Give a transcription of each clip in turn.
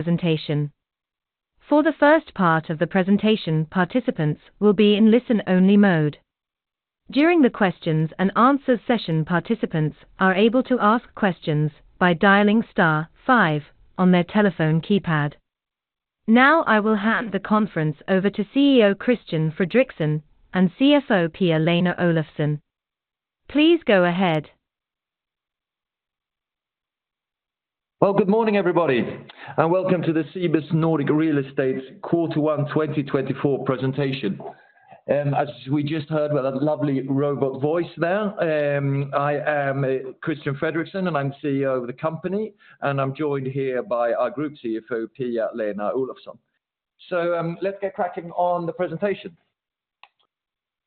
presentation. For the first part of the presentation, participants will be in listen-only mode. During the questions and answers session, participants are able to ask questions by dialing star five on their telephone keypad. Now, I will hand the conference over to CEO Christian Fredrixon and CFO Pia-Lena Olofsson. Please go ahead. Well, good morning, everybody, and welcome to the Cibus Nordic Real Estate Quarter 1 2024 presentation. As we just heard, with a lovely robot voice there, I am Christian Fredrixon, and I'm CEO of the company, and I'm joined here by our group CFO, Pia-Lena Olofsson. So, let's get cracking on the presentation.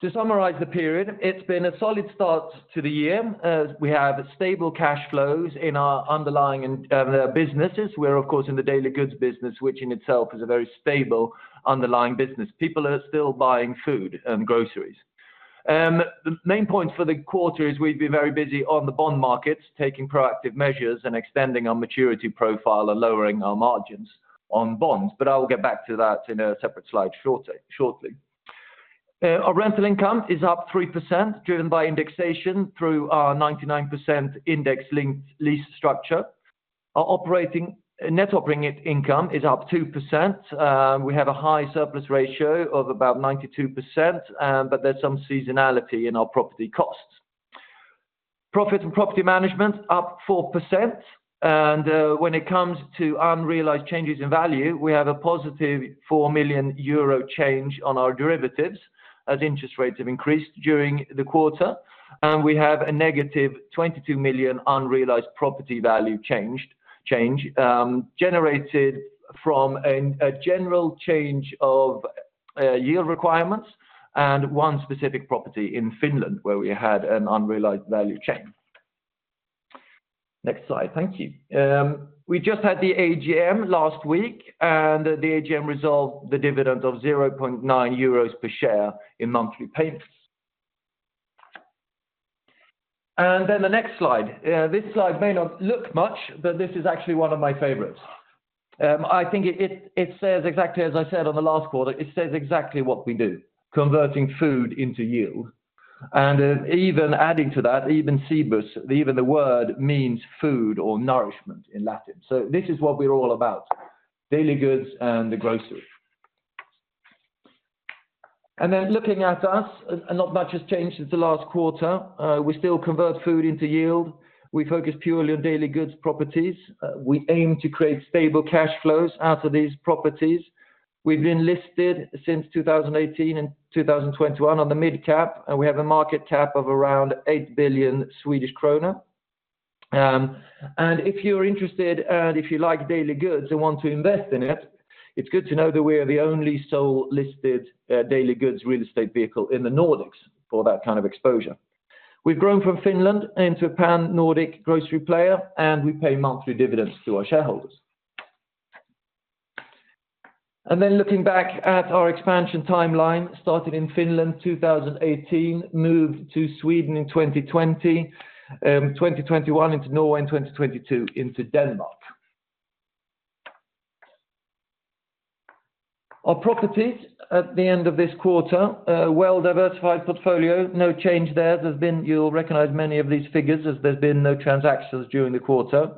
To summarize the period, it's been a solid start to the year, as we have stable cash flows in our underlying and businesses. We're, of course, in the daily goods business, which in itself is a very stable underlying business. People are still buying food and groceries. The main point for the quarter is we've been very busy on the bond markets, taking proactive measures and extending our maturity profile and lowering our margins on bonds. But I will get back to that in a separate slide shortly, shortly. Our rental income is up 3%, driven by indexation through our 99% index linked lease structure. Our net operating income is up 2%. We have a high surplus ratio of about 92%, but there's some seasonality in our property costs. Profit and property management up 4%, and when it comes to unrealized changes in value, we have a positive 4 million euro change on our derivatives, as interest rates have increased during the quarter. And we have a negative 22 million unrealized property value change, generated from a general change of yield requirements and one specific property in Finland, where we had an unrealized value change. Next slide. Thank you. We just had the AGM last week, and the AGM resolved the dividend of 0.9 euros per share in monthly payments. And then the next slide. This slide may not look much, but this is actually one of my favorites. I think it says exactly as I said on the last quarter, it says exactly what we do, converting food into yield. Even adding to that, even Cibus, even the word means food or nourishment in Latin. So this is what we're all about, daily goods and the grocery. Then looking at us, not much has changed since the last quarter. We still convert food into yield. We focus purely on daily goods properties. We aim to create stable cash flows out of these properties. We've been listed since 2018 and 2021 on the Mid Cap, and we have a market cap of around 8 billion Swedish kronor. And if you're interested, and if you like daily goods and want to invest in it, it's good to know that we are the only sole listed daily goods real estate vehicle in the Nordics for that kind of exposure. We've grown from Finland into a Pan-Nordic grocery player, and we pay monthly dividends to our shareholders. And then looking back at our expansion timeline, started in Finland, 2018, moved to Sweden in 2020, 2021 into Norway, and 2022 into Denmark. Our properties at the end of this quarter, a well-diversified portfolio, no change there. There's been... You'll recognize many of these figures, as there's been no transactions during the quarter.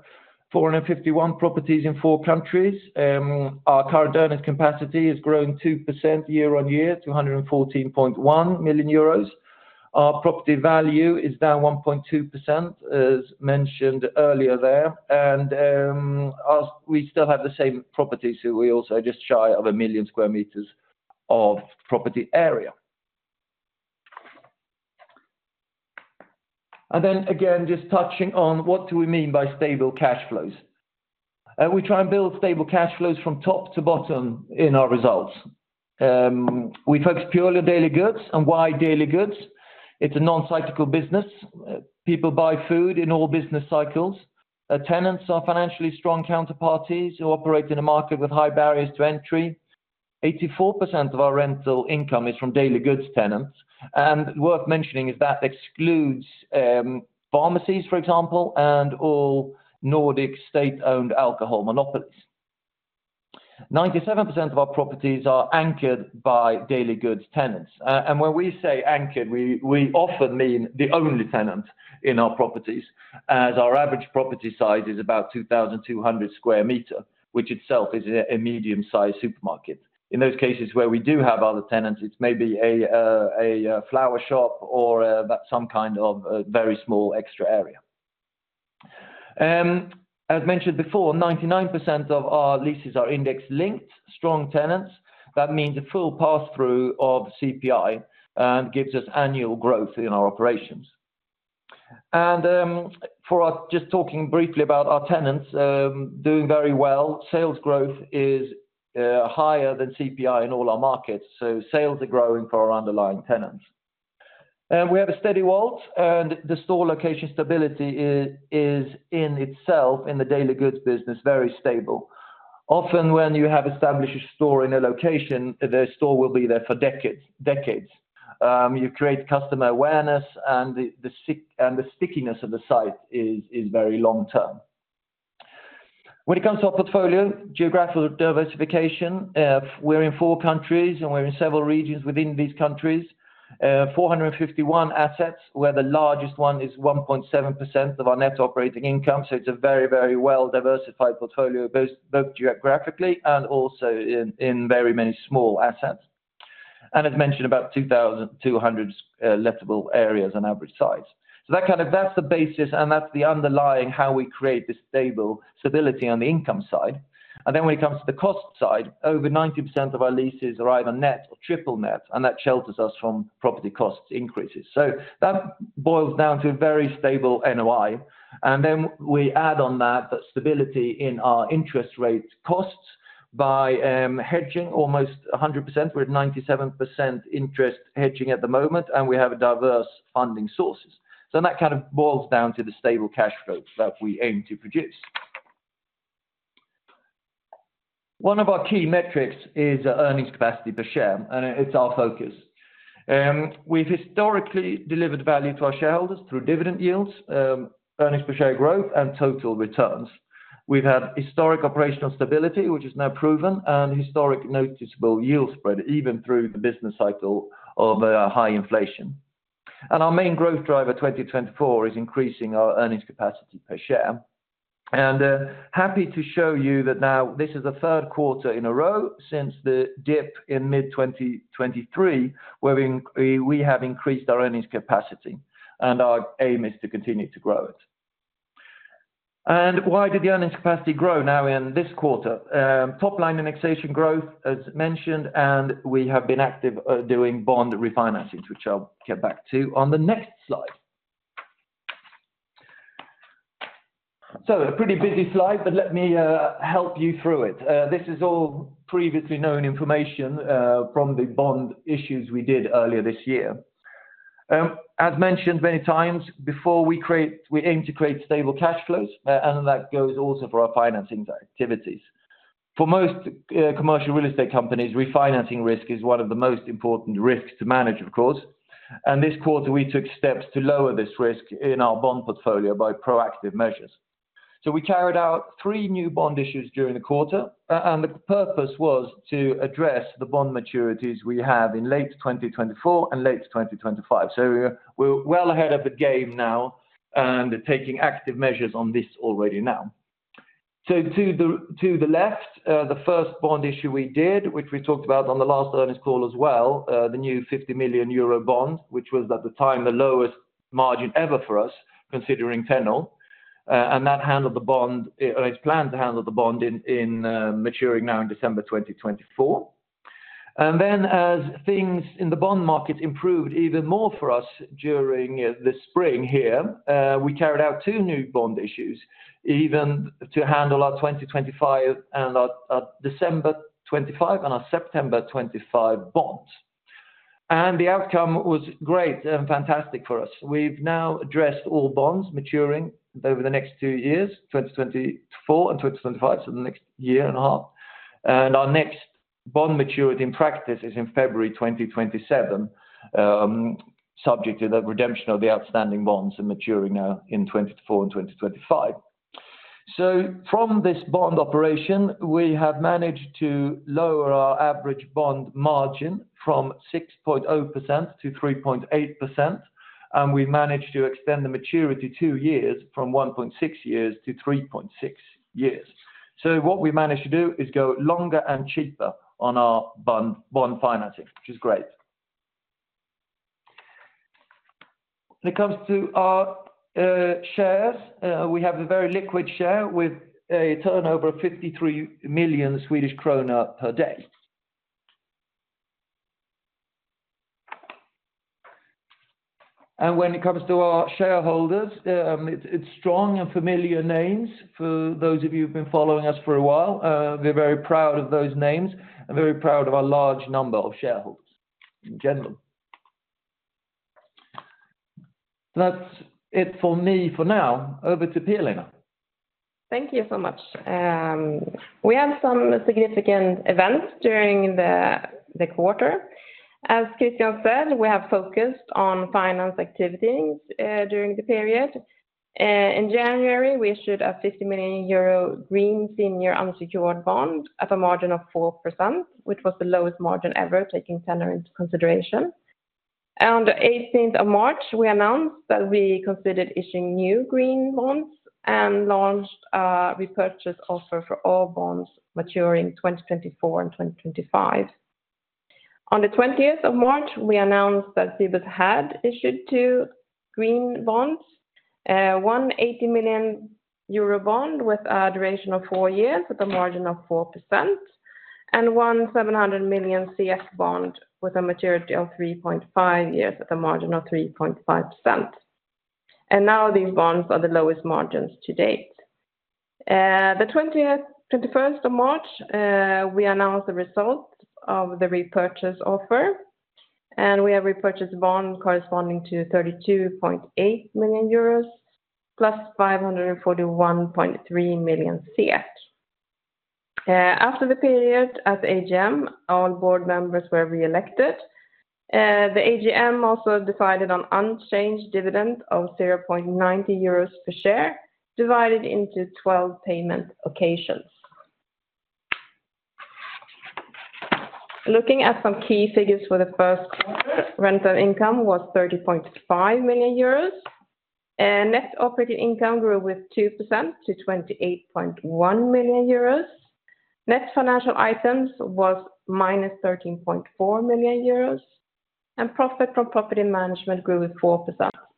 451 properties in four countries. Our current earnings capacity has grown 2% year-on-year, 214.1 million euros. Our property value is down 1.2%, as mentioned earlier there. And, as we still have the same properties, so we're also just shy of 1 million square meters of property area. And then again, just touching on what do we mean by stable cash flows? We try and build stable cash flows from top to bottom in our results. We focus purely on daily goods. And why daily goods? It's a non-cyclical business. People buy food in all business cycles. Tenants are financially strong counterparties who operate in a market with high barriers to entry. 84% of our rental income is from daily goods tenants, and worth mentioning is that excludes, pharmacies, for example, and all Nordic state-owned alcohol monopolies. 97% of our properties are anchored by daily goods tenants. And when we say anchored, we often mean the only tenant in our properties, as our average property size is about 2,200 square meters, which itself is a medium-sized supermarket. In those cases where we do have other tenants, it's maybe a flower shop or about some kind of a very small extra area. As mentioned before, 99% of our leases are index linked, strong tenants. That means a full pass-through of CPI, and gives us annual growth in our operations. And for us, just talking briefly about our tenants, doing very well. Sales growth is higher than CPI in all our markets, so sales are growing for our underlying tenants. We have a steady WAULT, and the store location stability is in itself, in the daily goods business, very stable. Often, when you have established a store in a location, the store will be there for decades, decades. You create customer awareness, and the stick, and the stickiness of the site is very long term. When it comes to our portfolio, geographical diversification, we're in four countries, and we're in several regions within these countries. 451 assets, where the largest one is 1.7% of our net operating income, so it's a very, very well-diversified portfolio, both geographically and also in very many small assets. And as mentioned, about 2,200 lettable areas on average size. So that kind of that's the basis, and that's the underlying how we create this stable stability on the income side. And then when it comes to the cost side, over 90% of our leases are either net or triple net, and that shelters us from property cost increases. So that boils down to a very stable NOI. And then we add on that, the stability in our interest rate costs by hedging almost 100%. We're at 97% interest hedging at the moment, and we have a diverse funding sources. So that kind of boils down to the stable cash flows that we aim to produce. One of our key metrics is the earnings capacity per share, and it's our focus. We've historically delivered value to our shareholders through dividend yields, earnings per share growth, and total returns. We've had historic operational stability, which is now proven, and historic noticeable yield spread, even through the business cycle of high inflation. Our main growth driver 2020-2024 is increasing our earnings capacity per share. Happy to show you that now this is the third quarter in a row since the dip in mid-2023, where we have increased our earnings capacity, and our aim is to continue to grow it. Why did the earnings capacity grow now in this quarter? Top line indexation growth, as mentioned, and we have been active doing bond refinancings, which I'll get back to on the next slide. A pretty busy slide, but let me help you through it. This is all previously known information from the bond issues we did earlier this year. As mentioned many times before, we aim to create stable cash flows, and that goes also for our financing activities. For most commercial real estate companies, refinancing risk is one of the most important risks to manage, of course. This quarter, we took steps to lower this risk in our bond portfolio by proactive measures. We carried out three new bond issues during the quarter, and the purpose was to address the bond maturities we have in late 2024 and late 2025. We're well ahead of the game now, and taking active measures on this already now. To the left, the first bond issue we did, which we talked about on the last earnings call as well, the new 50 million euro bond, which was, at the time, the lowest margin ever for us, considering tenor. And that handled the bond, or it's planned to handle the bond maturing in December 2024. Then, as things in the bond market improved even more for us during the spring here, we carried out two new bond issues, even to handle our 2025 and our December 2025 and our September 2025 bonds. And the outcome was great and fantastic for us. We've now addressed all bonds maturing over the next two years, 2024 and 2025, so the next year and a half. And our next bond maturity in practice is in February 2027, subject to the redemption of the outstanding bonds and maturing now in 2024 and 2025. So from this bond operation, we have managed to lower our average bond margin from 6.0% to 3.8%, and we've managed to extend the maturity two years from 1.6 years to 3.6 years. So what we managed to do is go longer and cheaper on our bond, bond financing, which is great. When it comes to our shares, we have a very liquid share with a turnover of 53 million Swedish krona per day. And when it comes to our shareholders, it's strong and familiar names for those of you who've been following us for a while. We're very proud of those names and very proud of our large number of shareholders in general. That's it for me for now. Over to Pia-Lena. Thank you so much. We had some significant events during the quarter. As Christian said, we have focused on finance activities during the period. In January, we issued a 50 million euro green senior unsecured bond at a margin of 4%, which was the lowest margin ever, taking tenor into consideration. On the eighteenth of March, we announced that we considered issuing new green bonds and launched a repurchase offer for all bonds maturing in 2024 and 2025. On the twentieth of March, we announced that we had issued 2 green bonds, one 180 million euro bond with a duration of 4 years at a margin of 4%, and one 1,700 million SEK bond with a maturity of 3.5 years at a margin of 3.5%. Now these bonds are the lowest margins to date. The twentieth, twenty-first of March, we announced the results of the repurchase offer, and we have repurchased bond corresponding to 32.8 million euros plus 541.3 million. After the period at the AGM, all board members were re-elected. The AGM also decided on unchanged dividend of 0.90 euros per share, divided into twelve payment occasions. Looking at some key figures for the first quarter, rental income was 30.5 million euros, and net operating income grew with 2% to 28.1 million euros. Net financial items was -13.4 million euros, and profit from property management grew with 4%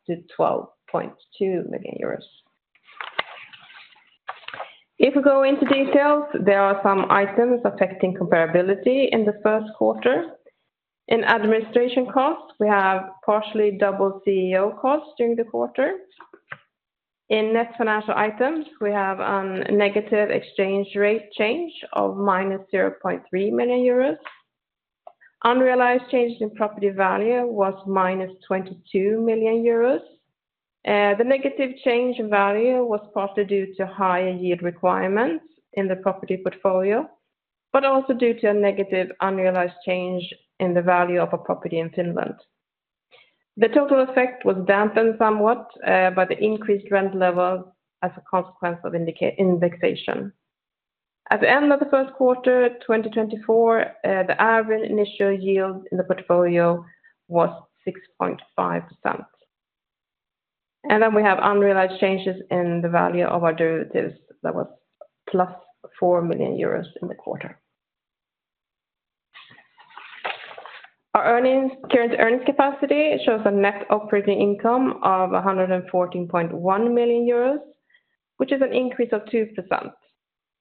to 12.2 million euros. If we go into details, there are some items affecting comparability in the first quarter. In administration costs, we have partially double CEO costs during the quarter. In net financial items, we have negative exchange rate change of -0.3 million euros. Unrealized change in property value was -22 million euros. The negative change in value was partly due to higher yield requirements in the property portfolio, but also due to a negative unrealized change in the value of a property in Finland. The total effect was dampened somewhat by the increased rent level as a consequence of indexation. At the end of the first quarter, 2024, the average initial yield in the portfolio was 6.5%. And then we have unrealized changes in the value of our derivatives, that was +4 million euros in the quarter. Our current earnings capacity shows a net operating income of 114.1 million euros, which is an increase of 2%.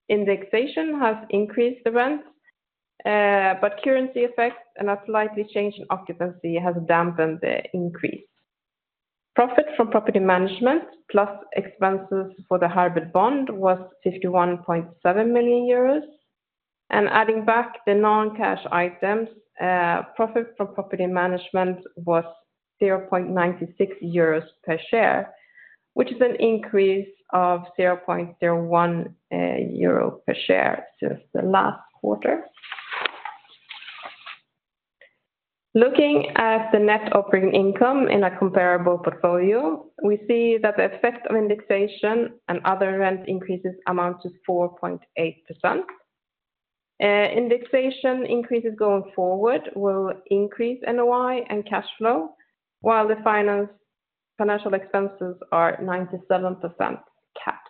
Indexation has increased the rent, but currency effects and a slight change in occupancy has dampened the increase. Profit from property management, plus expenses for the hybrid bond, was 51.7 million euros, and adding back the non-cash items, profit from property management was 0.96 euros per share, which is an increase of 0.01 euro per share since the last quarter. Looking at the net operating income in a comparable portfolio, we see that the effect of indexation and other rent increases amounts to 4.8%. Indexation increases going forward will increase NOI and cash flow, while the financial expenses are 97% capped.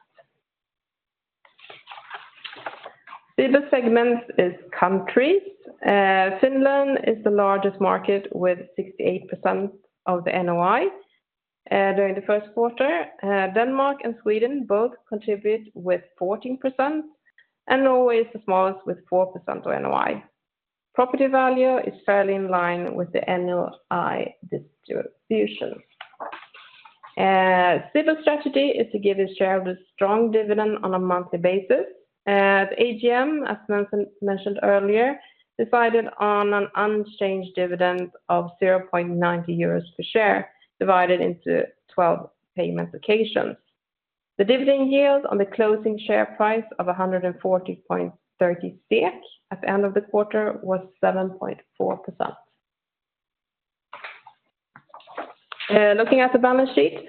Cibus segments is countries. Finland is the largest market with 68% of the NOI during the first quarter. Denmark and Sweden both contribute with 14%, and Norway is the smallest with 4% of NOI. Property value is fairly in line with the NOI distribution. Cibus strategy is to give its shareholders strong dividend on a monthly basis. The AGM, as mentioned earlier, decided on an unchanged dividend of 0.90 euros per share, divided into 12 payment occasions. The dividend yield on the closing share price of 140.30 SEK at the end of the quarter was 7.4%. Looking at the balance sheet,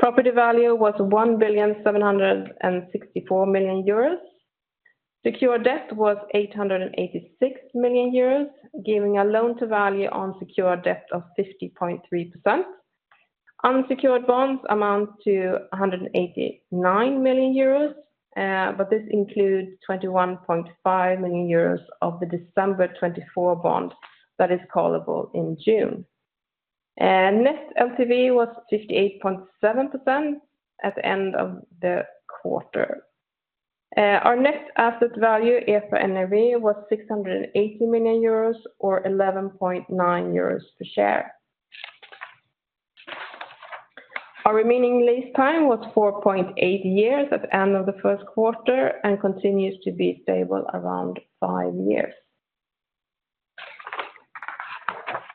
property value was 1,764 million euros. Secured debt was 886 million euros, giving a loan to value on secured debt of 50.3%. Unsecured bonds amount to 189 million euros, but this includes 21.5 million euros of the December 2024 bond that is callable in June. Net LTV was 58.7% at the end of the quarter. Our net asset value EPRA NAV was 680 million euros or 11.9 euros per share. Our remaining lease time was 4.8 years at the end of the first quarter and continues to be stable around 5 years.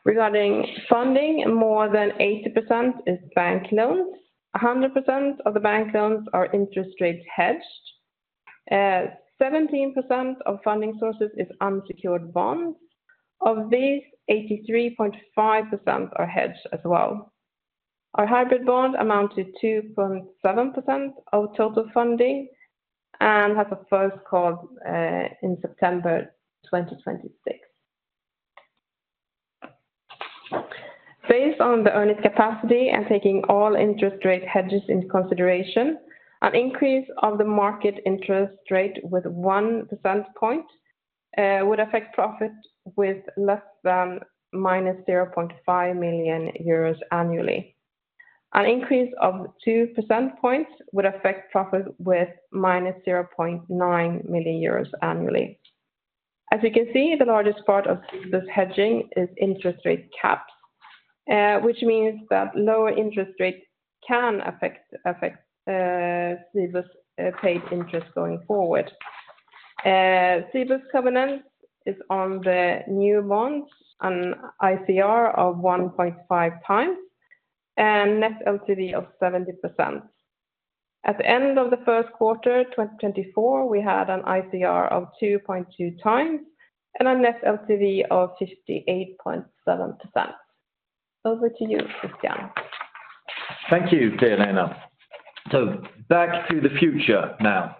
Regarding funding, more than 80% is bank loans. 100% of the bank loans are interest rates hedged. Seventeen percent of funding sources is unsecured bonds. Of these, 83.5% are hedged as well. Our hybrid bond amount to 2.7% of total funding and has a first call in September 2026. Based on the earnings capacity and taking all interest rate hedges into consideration, an increase of the market interest rate with 1 percentage point would affect profit with less than -0.5 million euros annually. An increase of 2 percentage points would affect profit with -0.9 million euros annually. As you can see, the largest part of this hedging is interest rate caps, which means that lower interest rates can affect Cibus's paid interest going forward. Cibus's covenant is on the new bonds, an ICR of 1.5 times and net LTV of 70%. At the end of the first quarter, 2024, we had an ICR of 2.2 times and a net LTV of 58.7%. Over to you, Christian. Thank you, Pia-Lena. So back to the future now.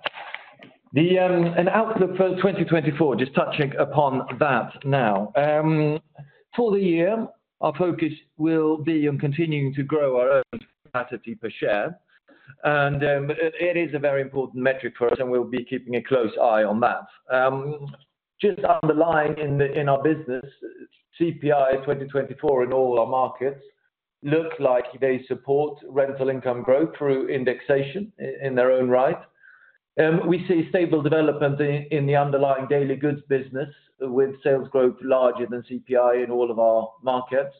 The outlook for 2024, just touching upon that now. For the year, our focus will be on continuing to grow our own capacity per share, and it is a very important metric for us, and we'll be keeping a close eye on that. Just underlying in the, in our business, CPI in 2024 in all our markets look like they support rental income growth through indexation in their own right. We see stable development in, in the underlying daily goods business, with sales growth larger than CPI in all of our markets.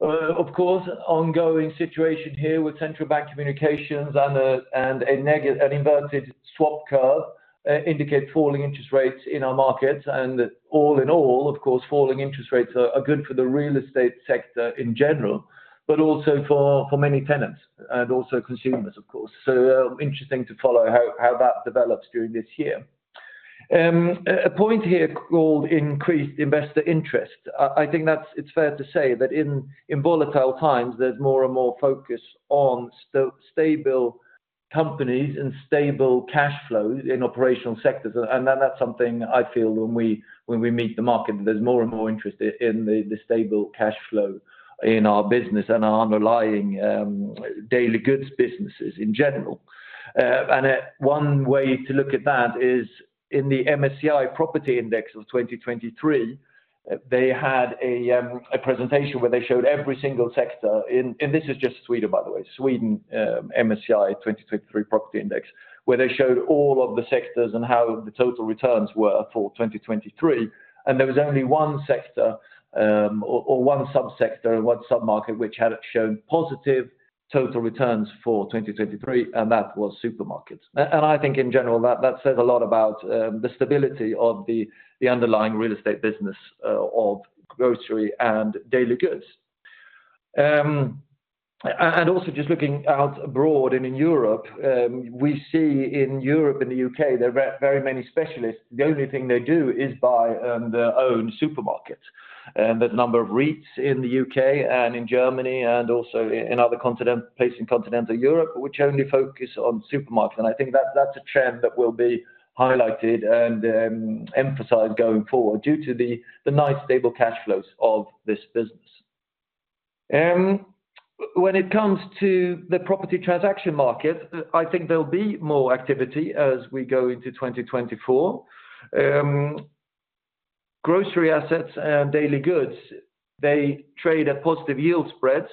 Of course, ongoing situation here with central bank communications and an inverted swap curve indicate falling interest rates in our markets. And all in all, of course, falling interest rates are good for the real estate sector in general, but also for many tenants and also consumers, of course. So, interesting to follow how that develops during this year. A point here called increased investor interest. I think that's, it's fair to say that in volatile times, there's more and more focus on stable companies and stable cash flows in operational sectors. And that's something I feel when we meet the market, there's more and more interest in the stable cash flow in our business and our underlying daily goods businesses in general. And one way to look at that is in the MSCI Property Index of 2023, they had a presentation where they showed every single sector in... This is just Sweden, by the way, Sweden, MSCI 2023 Property Index, where they showed all of the sectors and how the total returns were for 2023. And there was only one sector, or one subsector, and one submarket, which had shown positive total returns for 2023, and that was supermarkets. And I think in general, that says a lot about the stability of the underlying real estate business of grocery and daily goods. And also just looking out abroad and in Europe, we see in Europe and the UK, there are very many specialists. The only thing they do is buy their own supermarket, the number of REITs in the UK and in Germany and also in other places in continental Europe, which only focus on supermarkets. And I think that's a trend that will be highlighted and emphasized going forward due to the nice, stable cash flows of this business. When it comes to the property transaction market, I think there'll be more activity as we go into 2024. Grocery assets and daily goods, they trade at positive yield spreads,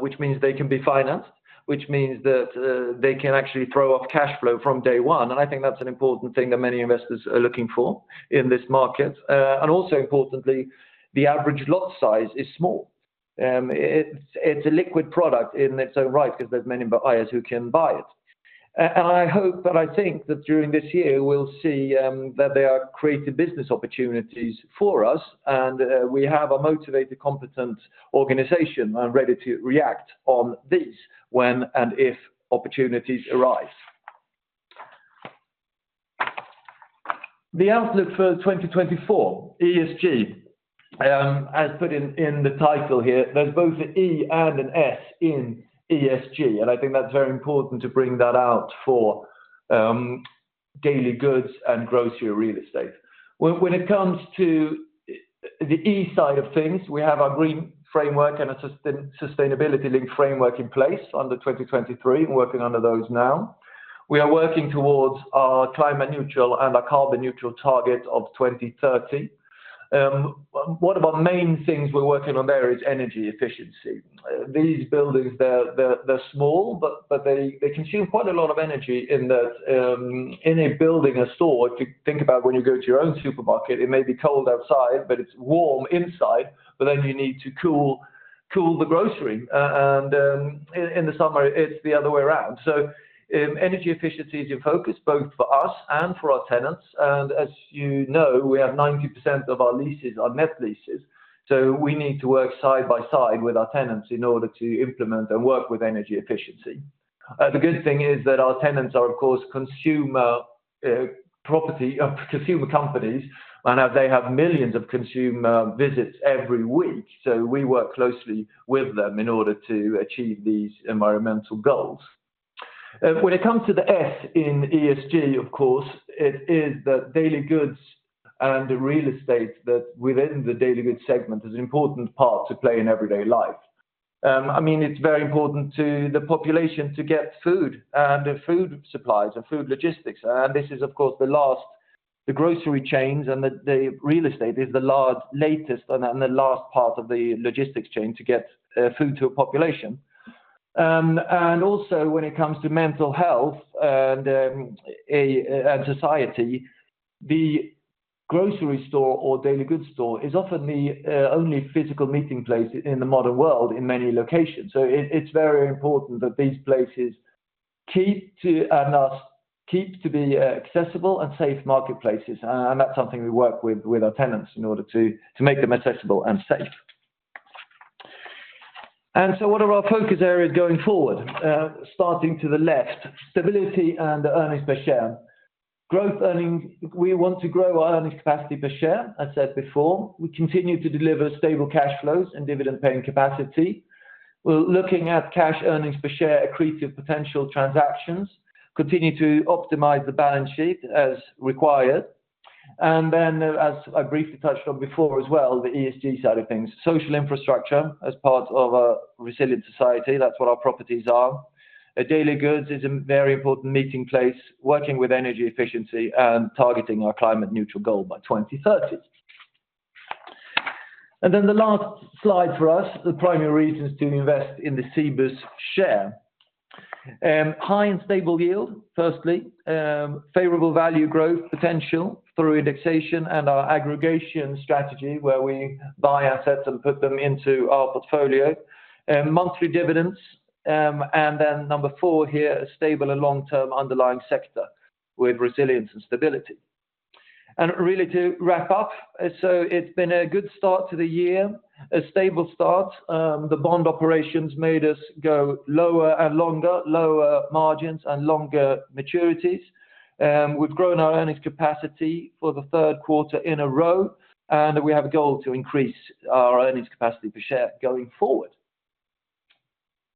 which means they can be financed, which means that they can actually throw off cash flow from day one. And I think that's an important thing that many investors are looking for in this market. And also importantly, the average lot size is small. It's a liquid product in its own right, because there's many buyers who can buy it. I hope, but I think that during this year, we'll see that there are creative business opportunities for us, and we have a motivated, competent organization and ready to react on these, when and if opportunities arise. The outlook for 2024, ESG, as put in the title here, there's both an E and an S in ESG, and I think that's very important to bring that out for daily goods and grocery real estate. When it comes to the E side of things, we have our green framework and a sustainability link framework in place under 2023, and working under those now. We are working towards our climate neutral and our carbon neutral target of 2030. One of our main things we're working on there is energy efficiency. These buildings, they're small, but they consume quite a lot of energy in that, in a building, a store, if you think about when you go to your own supermarket, it may be cold outside, but it's warm inside, but then you need to cool the grocery. And in the summer, it's the other way around. So, energy efficiency is a focus both for us and for our tenants, and as you know, we have 90% of our leases are net leases. So we need to work side by side with our tenants in order to implement and work with energy efficiency. The good thing is that our tenants are, of course, consumer property consumer companies, and they have millions of consumer visits every week. So we work closely with them in order to achieve these environmental goals. When it comes to the S in ESG, of course, it is the daily goods and the real estate that within the daily goods segment, is an important part to play in everyday life. I mean, it's very important to the population to get food and the food supplies and food logistics. And this is, of course, the last the grocery chains, and the, the real estate is the largest and the, and the last part of the logistics chain to get food to a population. And also when it comes to mental health and, a, and society, the grocery store or daily goods store is often the only physical meeting place in the modern world in many locations. So it, it's very important that these places-... accessible and safe marketplaces, and that's something we work with our tenants in order to make them accessible and safe. And so what are our focus areas going forward? Starting to the left, stability and earnings per share. Growth earnings, we want to grow our earnings capacity per share, I said before. We continue to deliver stable cash flows and dividend-paying capacity. We're looking at cash earnings per share, accretive potential transactions, continue to optimize the balance sheet as required, and then as I briefly touched on before as well, the ESG side of things. Social infrastructure as part of a resilient society, that's what our properties are. Daily goods is a very important meeting place, working with energy efficiency and targeting our climate neutral goal by 2030. And then the last slide for us, the primary reasons to invest in the Cibus share. High and stable yield, firstly, favorable value growth potential through indexation and our aggregation strategy, where we buy assets and put them into our portfolio, monthly dividends. And then number four here, a stable and long-term underlying sector with resilience and stability. And really to wrap up, so it's been a good start to the year, a stable start. The bond operations made us go lower and longer, lower margins and longer maturities. We've grown our earnings capacity for the third quarter in a row, and we have a goal to increase our earnings capacity per share going forward.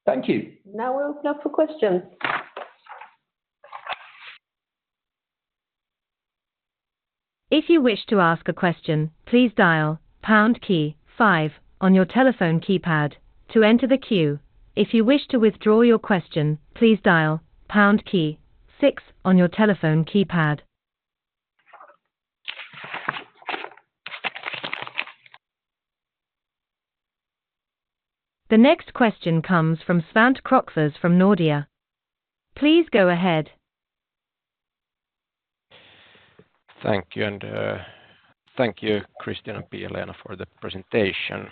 Thank you. Now we open up for questions. If you wish to ask a question, please dial pound key five on your telephone keypad to enter the queue. If you wish to withdraw your question, please dial pound key six on your telephone keypad. The next question comes from Svante Krokfors from Nordea. Please go ahead. Thank you, and, thank you, Christian and Pia-Lena, for the presentation.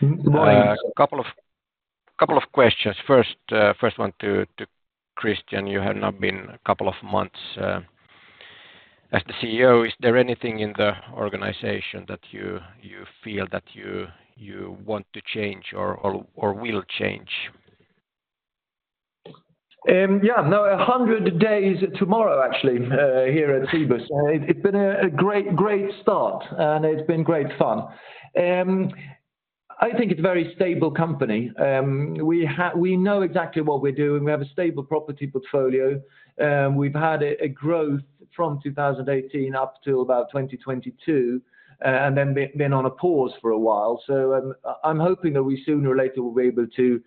Good morning. A couple of questions. First one to Christian. You have now been a couple of months as the CEO. Is there anything in the organization that you feel that you want to change or will change? Yeah, no, 100 days tomorrow, actually, here at Cibus. It's been a great, great start, and it's been great fun. I think it's a very stable company. We know exactly what we're doing. We have a stable property portfolio. We've had a growth from 2018 up to about 2022, and then been on a pause for a while. So, I'm hoping that we sooner or later will be able to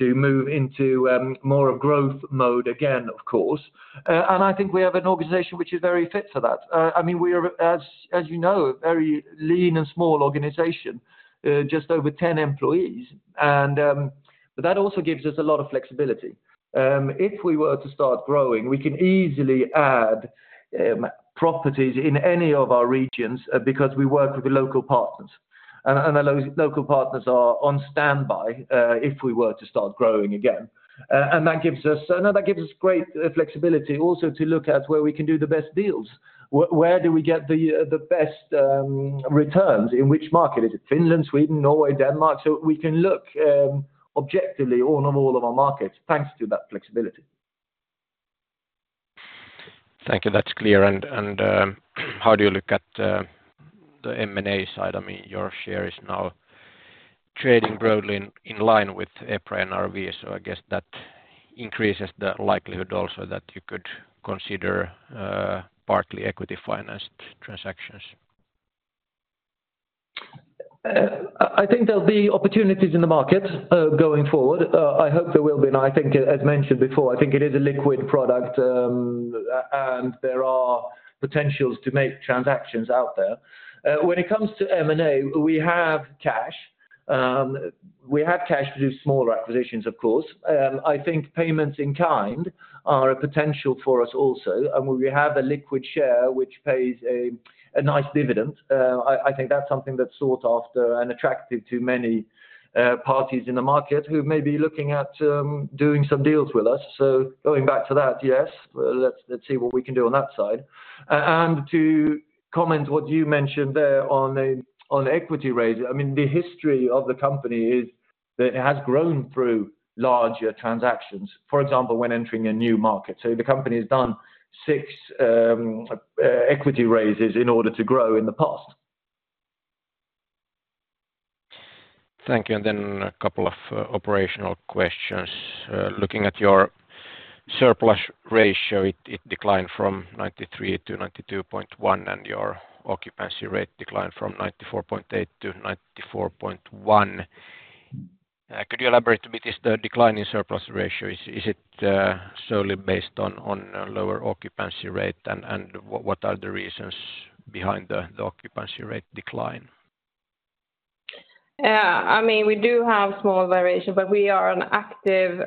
move into more of growth mode again, of course. And I think we have an organization which is very fit for that. I mean, we are, as you know, a very lean and small organization, just over 10 employees, and but that also gives us a lot of flexibility. If we were to start growing, we can easily add properties in any of our regions because we work with the local partners. And the local partners are on standby if we were to start growing again, and that gives us great flexibility also to look at where we can do the best deals. Where do we get the best returns, in which market? Is it Finland, Sweden, Norway, Denmark? So we can look objectively on all of our markets, thanks to that flexibility. Thank you. That's clear. And how do you look at the M&A side? I mean, your share is now trading broadly in line with EPRA NRV, so I guess that increases the likelihood also that you could consider partly equity-financed transactions. I think there'll be opportunities in the market going forward. I hope there will be, and I think, as mentioned before, I think it is a liquid product and there are potentials to make transactions out there. When it comes to M&A, we have cash. We have cash to do smaller acquisitions, of course. I think payments in kind are a potential for us also, and we have a liquid share, which pays a nice dividend. I think that's something that's sought after and attractive to many parties in the market who may be looking at doing some deals with us. So going back to that, yes, let's see what we can do on that side. And to comment what you mentioned there on the equity raise, I mean, the history of the company is that it has grown through larger transactions, for example, when entering a new market. So the company has done 6 equity raises in order to grow in the past. Thank you, and then a couple of operational questions. Looking at your surplus ratio, it declined from 93% to 92.1%, and your occupancy rate declined from 94.8% to 94.1%. Could you elaborate a bit, is the decline in surplus ratio solely based on lower occupancy rate? And what are the reasons behind the occupancy rate decline? Yeah, I mean, we do have small variation, but we are actively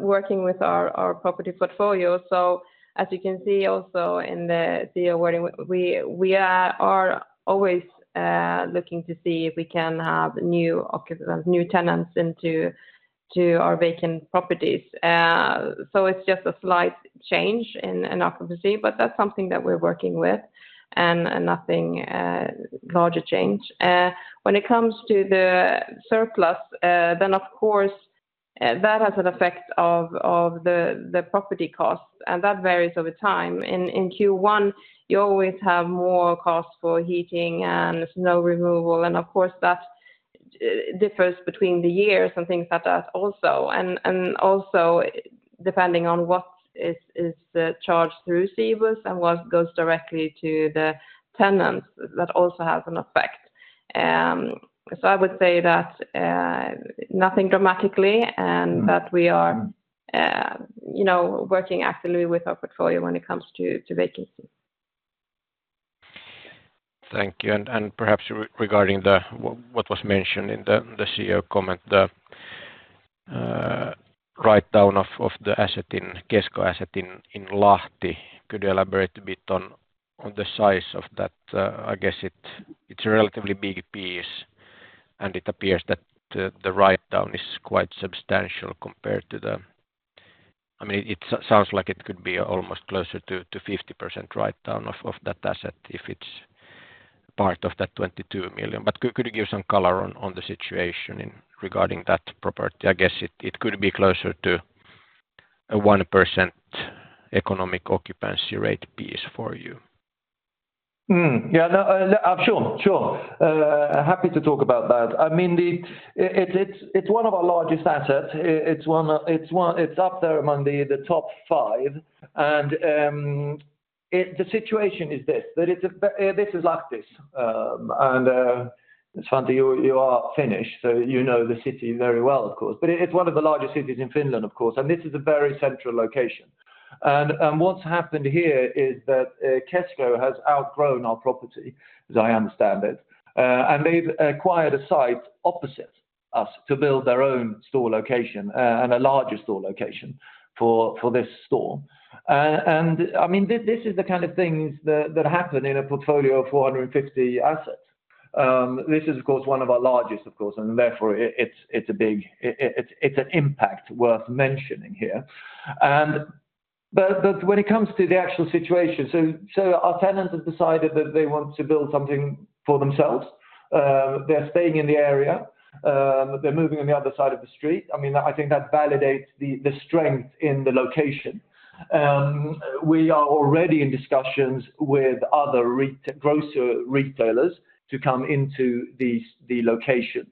working with our property portfolio. So as you can see also in the CEO wording, we are always looking to see if we can have new tenants to our vacant properties. So it's just a slight change in occupancy, but that's something that we're working with, and nothing larger change. When it comes to the surplus, then of course, that has an effect of the property costs, and that varies over time. In Q1, you always have more costs for heating and snow removal, and of course, that differs between the years and things like that also. Also, depending on what is charged through Cibus and what goes directly to the tenants, that also has an effect. So I would say that nothing dramatically, and that we are, you know, working actively with our portfolio when it comes to vacancy. Thank you. And perhaps regarding the what was mentioned in the CEO comment, the write down of the asset in Kesko asset in Lahti. Could you elaborate a bit on the size of that? I guess it's a relatively big piece, and it appears that the write down is quite substantial compared to the... I mean, it sounds like it could be almost closer to 50% write down of that asset if it's part of that 22 million. But could you give some color on the situation regarding that property? I guess it could be closer to a 1% economic occupancy rate piece for you. Yeah, no, sure, sure. Happy to talk about that. I mean, it's one of our largest assets. It's up there among the top five. The situation is this: this is Lahti. It's funny, you are Finnish, so you know the city very well, of course. But it's one of the largest cities in Finland, of course, and this is a very central location. What's happened here is that Kesko has outgrown our property, as I understand it, and they've acquired a site opposite us to build their own store location and a larger store location for this store. And, I mean, this is the kind of things that happen in a portfolio of 450 assets. This is, of course, one of our largest, of course, and therefore, it's a big impact worth mentioning here. But when it comes to the actual situation, our tenants have decided that they want to build something for themselves. They're staying in the area, they're moving on the other side of the street. I mean, I think that validates the strength in the location. We are already in discussions with other grocery retailers to come into the location.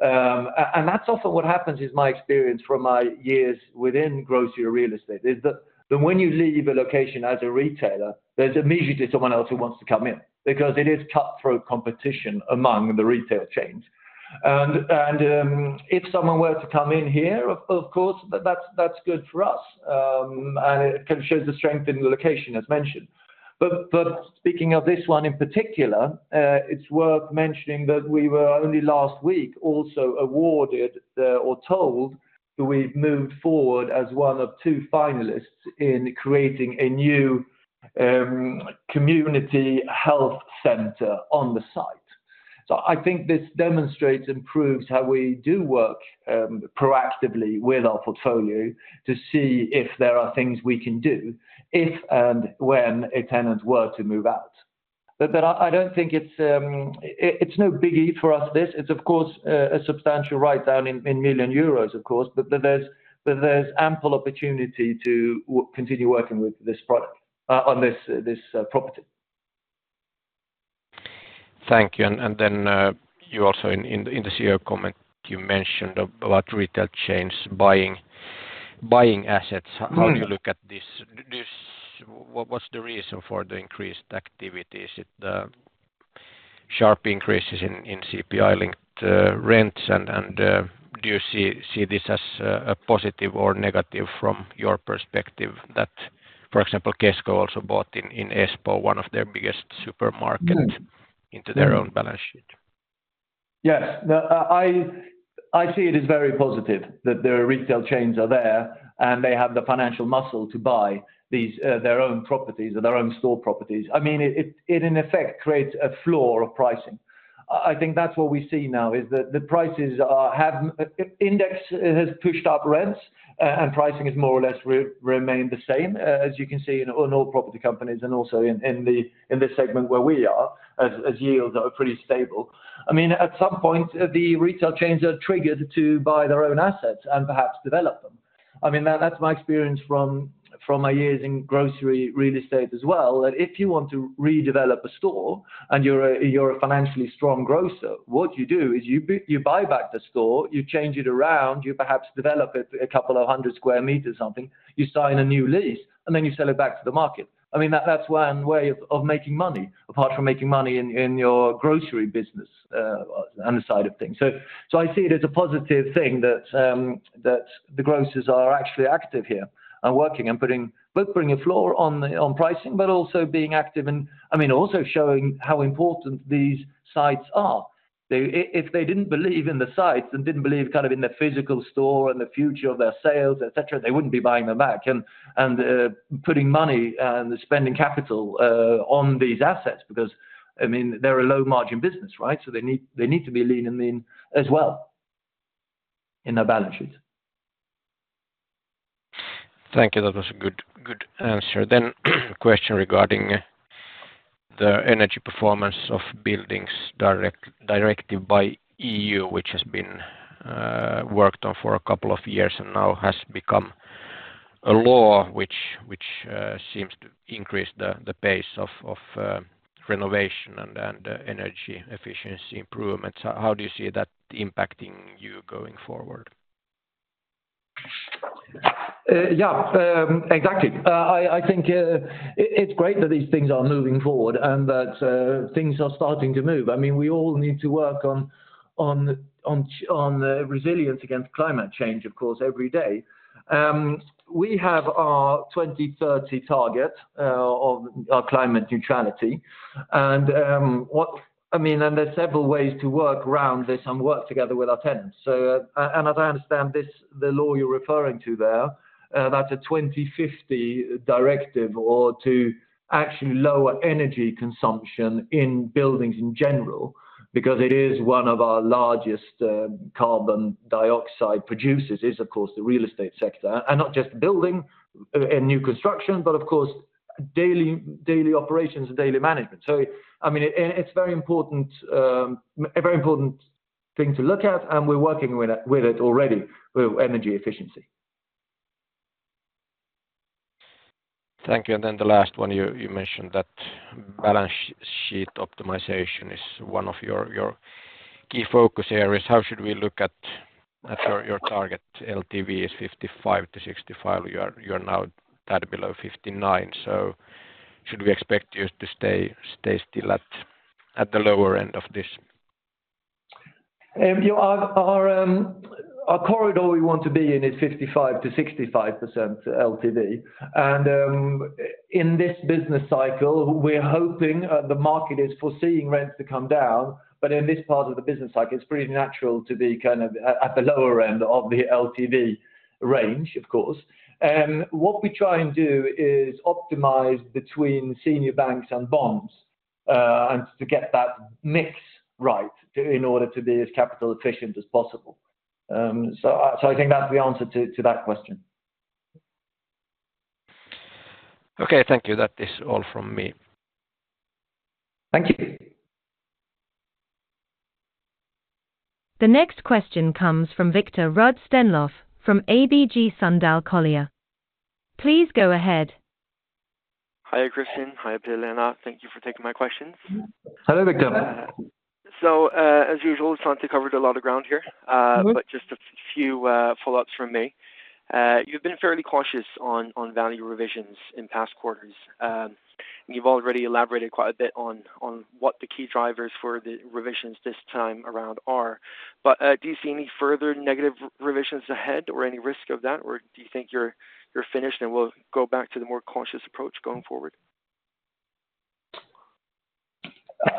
And that's often what happens, is my experience from my years within grocery real estate, is that when you leave a location as a retailer, there's immediately someone else who wants to come in, because it is cutthroat competition among the retail chains. And if someone were to come in here, of course, that's good for us. And it kind of shows the strength in the location, as mentioned. But speaking of this one in particular, it's worth mentioning that we were only last week also awarded the, or told that we've moved forward as one of two finalists in creating a new community health center on the site. So I think this demonstrates and proves how we do work proactively with our portfolio to see if there are things we can do, if and when a tenant were to move out. But then I don't think it's no biggie for us, this. It's of course a substantial write-down in million euros, of course, but there's ample opportunity to continue working with this product on this property. Thank you. And then, you also in the CEO comment, you mentioned about retail chains buying assets. How do you look at this? What's the reason for the increased activity? Is it sharp increases in CPI-linked rents? And do you see this as a positive or negative from your perspective, that, for example, Kesko also bought in Espoo one of their biggest supermarket into their own balance sheet? Yes. I see it as very positive that the retail chains are there, and they have the financial muscle to buy these, their own properties or their own store properties. I mean, it, in effect, creates a floor of pricing. I think that's what we see now, is that the prices are, have, index has pushed up rents, and pricing has more or less remained the same, as you can see in, on all property companies and also in, in the, in this segment where we are, as, as yields are pretty stable. I mean, at some point, the retail chains are triggered to buy their own assets and perhaps develop them. I mean, that's my experience from my years in grocery real estate as well, that if you want to redevelop a store and you're a financially strong grocer, what you do is you buy back the store, you change it around, you perhaps develop it 200 sq m or something, you sign a new lease, and then you sell it back to the market. I mean, that's one way of making money, apart from making money in your grocery business, and the side of things. So I see it as a positive thing that the grocers are actually active here and working and putting... Both putting a floor on the pricing, but also being active and, I mean, also showing how important these sites are. They... If they didn't believe in the sites and didn't believe kind of in the physical store and the future of their sales, et cetera, they wouldn't be buying them back and putting money and spending capital on these assets, because, I mean, they're a low-margin business, right? So they need, they need to be lean and mean as well in their balance sheets. Thank you. That was a good, good answer. Then a question regarding the energy performance of buildings directive by the EU, which has been worked on for a couple of years, and now has become a law which seems to increase the pace of renovation and energy efficiency improvements. How do you see that impacting you going forward? Yeah, exactly. I think it's great that these things are moving forward, and that things are starting to move. I mean, we all need to work on resilience against climate change, of course, every day. We have our 2030 target of our climate neutrality, and what—I mean, and there's several ways to work around this and work together with our tenants. And as I understand this, the law you're referring to there, that's a 2050 directive to actually lower energy consumption in buildings in general, because it is one of our largest carbon dioxide producers is, of course, the real estate sector. And not just building and new construction, but of course, daily operations and daily management. So, I mean, it's very important, a very important thing to look at, and we're working with it already with energy efficiency. Thank you. And then the last one, you mentioned that balance sheet optimization is one of your key focus areas. How should we look at your target? LTV is 55%-65%. You're now a tad below 59, so should we expect you to stay still at the lower end of this? You know, our corridor we want to be in is 55%-65% LTV. In this business cycle, we're hoping the market is foreseeing rents to come down, but in this part of the business cycle, it's pretty natural to be kind of at the lower end of the LTV range, of course. What we try and do is optimize between senior banks and bonds, and to get that mix right, in order to be as capital efficient as possible. I think that's the answer to that question. Okay, thank you. That is all from me. Thank you. The next question comes from Viktor Stenlöf from ABG Sundal Collier. Please go ahead. Hi, Christian. Hi, Pia-Lena. Thank you for taking my questions. Hello, Viktor. As usual, Svante covered a lot of ground here. But just a few follow-ups from me. You've been fairly cautious on value revisions in past quarters, and you've already elaborated quite a bit on what the key drivers for the revisions this time around are. But do you see any further negative revisions ahead or any risk of that, or do you think you're finished and we'll go back to the more cautious approach going forward?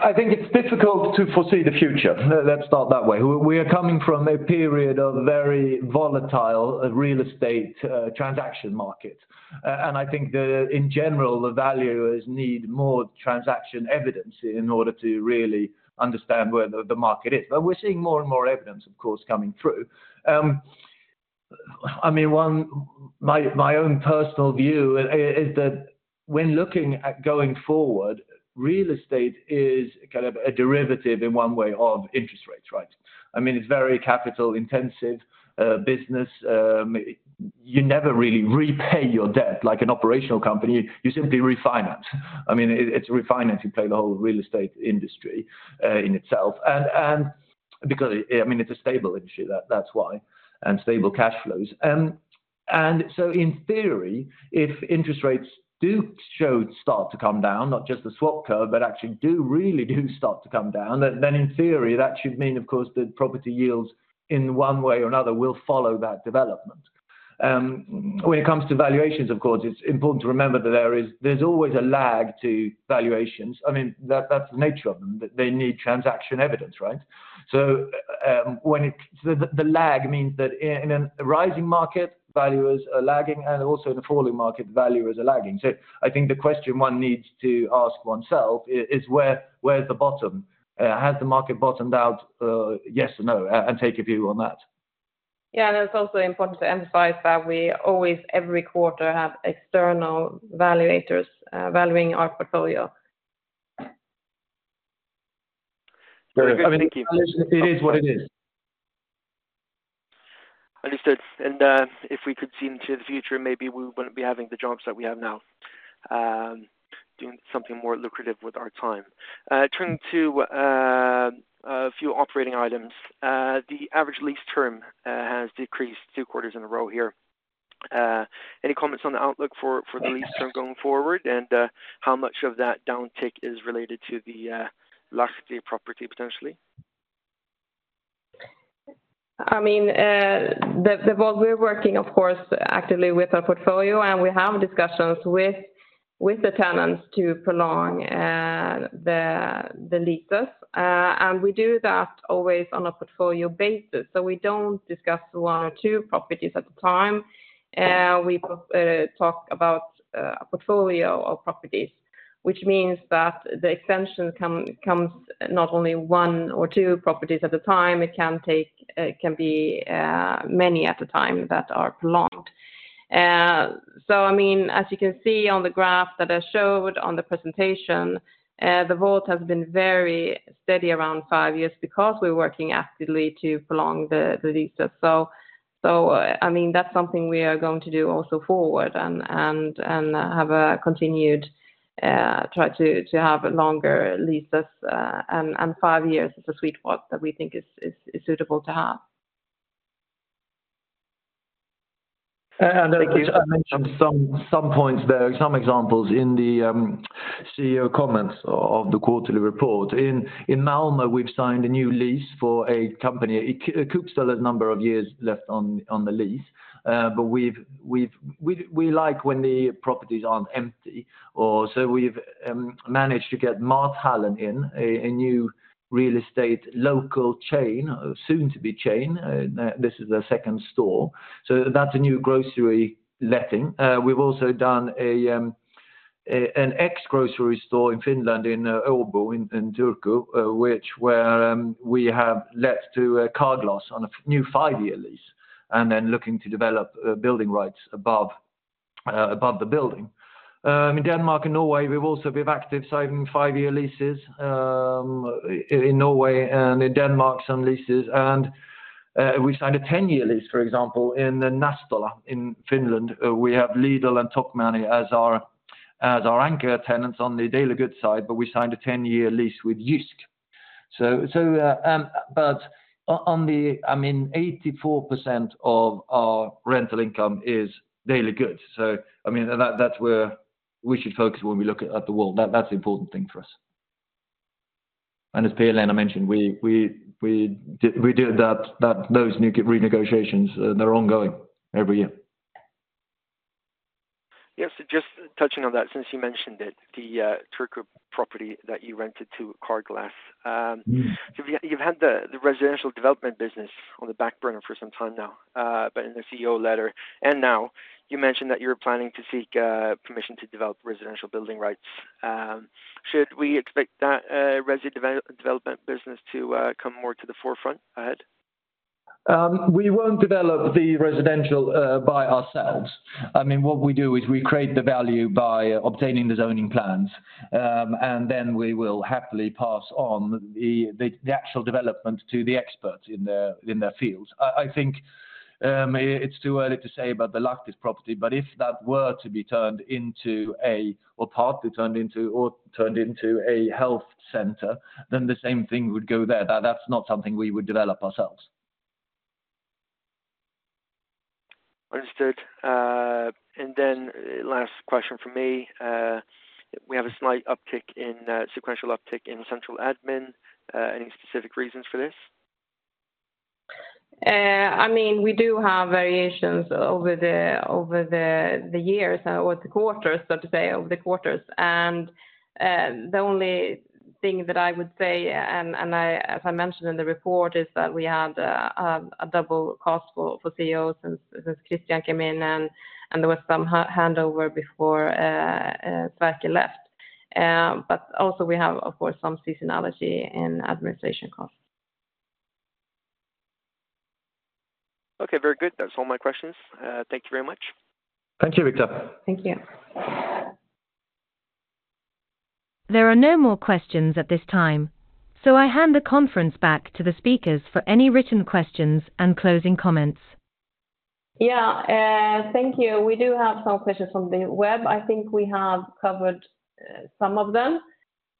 I think it's difficult to foresee the future. Let's start that way. We are coming from a period of very volatile real estate transaction market. And I think in general, the valuers need more transaction evidence in order to really understand where the market is. But we're seeing more and more evidence, of course, coming through. I mean, my own personal view is that when looking at going forward, real estate is kind of a derivative in one way of interest rates, right? I mean, it's very capital intensive business. You never really repay your debt like an operational company. You simply refinance. I mean, it's refinancing play, the whole real estate industry in itself. And because, I mean, it's a stable industry, that's why, and stable cash flows. And so in theory, if interest rates do start to come down, not just the swap curve, but actually do really start to come down, then in theory, that should mean, of course, that property yields, in one way or another, will follow that development. When it comes to valuations, of course, it's important to remember that there's always a lag to valuations. I mean, that's the nature of them, that they need transaction evidence, right? So, the lag means that in a rising market, valuers are lagging, and also in a falling market, valuers are lagging. So I think the question one needs to ask oneself is where's the bottom? Has the market bottomed out, yes or no, and take a view on that. Yeah, and it's also important to emphasize that we always, every quarter, have external valuators valuing our portfolio. Very good. Thank you. It is what it is. Understood. If we could see into the future, maybe we wouldn't be having the jobs that we have now, doing something more lucrative with our time. Turning to a few operating items. The average lease term has decreased two quarters in a row here. Any comments on the outlook for the lease term going forward, and how much of that downtick is related to the Lahti property, potentially? I mean, Well, we're working, of course, actively with our portfolio, and we have discussions with the tenants to prolong the leases. And we do that always on a portfolio basis, so we don't discuss one or two properties at a time. We talk about a portfolio of properties, which means that the extension comes not only one or two properties at a time, it can be many at a time that are prolonged. So I mean, as you can see on the graph that I showed on the presentation, the WAULT has been very steady around five years because we're working actively to prolong the leases. So, I mean, that's something we are going to do also forward and have a continued try to have longer leases, and five years is a sweet spot that we think is suitable to have. And, uh- Thank you. I mentioned some points there, some examples in the CEO comments of the quarterly report. In Malmö, we've signed a new lease for a company. It keeps still a number of years left on the lease, but we like when the properties aren't empty or so we've managed to get Matvärlden in, a new real estate local chain, soon to be chain. This is their second store, so that's a new grocery letting. We've also done an ex-grocery store in Finland, in Turku, which we have let to Carglass on a new five-year lease, and then looking to develop building rights above the building. In Denmark and Norway, we've also been active signing 5-year leases, in Norway and in Denmark, some leases, and we signed a 10-year lease, for example, in the Nastola in Finland. We have Lidl and Tokmanni as our, as our anchor tenants on the daily good side, but we signed a 10-year lease with Jysk. So, but on the... I mean, 84% of our rental income is daily goods, so I mean, that, that's where we should focus when we look at the world. That, that's the important thing for us. And as Pia-Lena mentioned, we do that, those new re-negotiations, they're ongoing every year. Yeah. So just touching on that, since you mentioned it, the Turku property that you rented to Carglass. So you've had the residential development business on the back burner for some time now. But in the CEO letter, and now you mentioned that you're planning to seek permission to develop residential building rights. Should we expect that residential development business to come more to the forefront ahead? We won't develop the residential by ourselves. I mean, what we do is we create the value by obtaining the zoning plans, and then we will happily pass on the actual development to the experts in their fields. I think it's too early to say about the Lahti property, but if that were to be turned into a, or partly turned into or turned into a health center, then the same thing would go there. That's not something we would develop ourselves. Understood. And then last question from me. We have a slight sequential uptick in central admin. Any specific reasons for this? I mean, we do have variations over the years or the quarters, so to say, over the quarters. The only thing that I would say, as I mentioned in the report, is that we had a double cost for CEOs since Christian came in, and there was some handover before Sverker left. But also we have, of course, some seasonality in administration costs. Okay. Very good. That's all my questions. Thank you very much. Thank you, Viktor. Thank you. There are no more questions at this time, so I hand the conference back to the speakers for any written questions and closing comments. Yeah, thank you. We do have some questions from the web. I think we have covered some of them.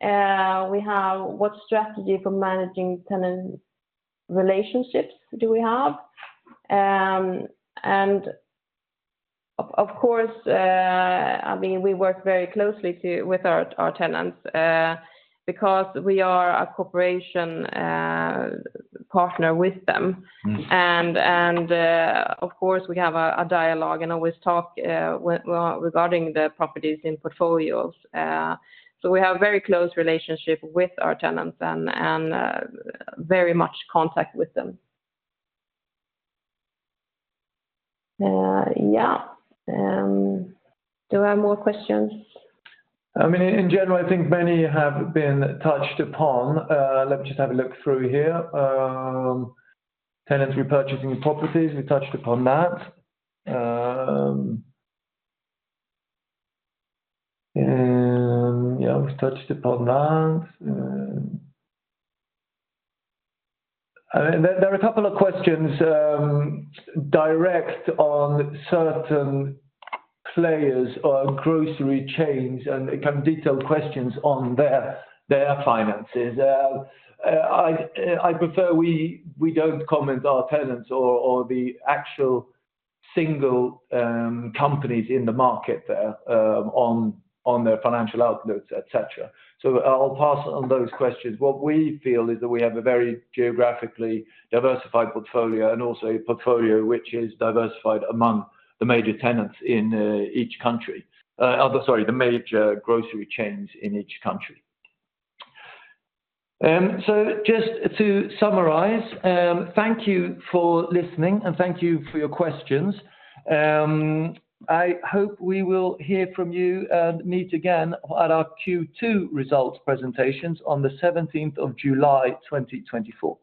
We have, what strategy for managing tenant relationships do we have? And of course, I mean, we work very closely with our tenants, because we are a corporate partner with them. Of course, we have a dialogue and always talk regarding the properties in portfolios. So we have very close relationship with our tenants and very much contact with them. Yeah. Do I have more questions? I mean, in general, I think many have been touched upon. Let me just have a look through here. Tenants repurchasing properties, we touched upon that. And yeah, we've touched upon that. And there are a couple of questions, direct on certain players or grocery chains, and, kind of, detailed questions on their finances. I prefer we don't comment on our tenants or the actual single companies in the market, on their financial outlooks, et cetera. So I'll pass on those questions. What we feel is that we have a very geographically diversified portfolio and also a portfolio which is diversified among the major tenants in each country. Sorry, the major grocery chains in each country. So just to summarize, thank you for listening, and thank you for your questions. I hope we will hear from you and meet again at our Q2 results presentations on the 17th of July 2024.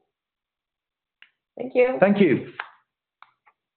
Thank you. Thank you.